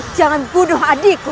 jangan bunuh adikku